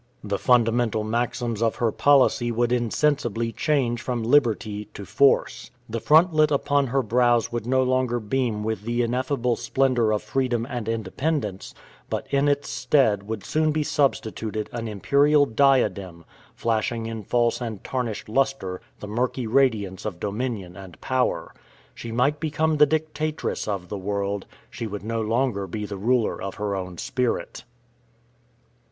The fundamental maxims of her policy would insensibly change from liberty to force. The frontlet upon her brows would no longer beam with the ineffable splendor of freedom and independence; but in its stead would soon be substituted an imperial diadem, flashing in false and tarnished lustre the murky radiance of dominion and power. She might become the dictatress of the world; she would no longer be the ruler of her own spirit.